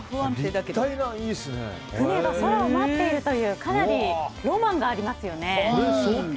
船が空を舞っているというかなりロマンがありますよね。